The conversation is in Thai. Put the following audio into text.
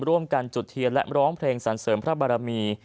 ร่วมกันจุดเทียนและร้องเพลงสันเสริมพระบารมี